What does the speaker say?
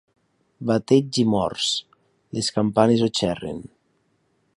Bateigs i morts, les campanes ho xerren.